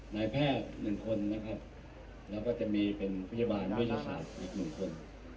นายแพทย์๑คนนะครับแล้วก็จะมีเป็นพยาบาลนักวิทยาศาสตร์อีก๑คน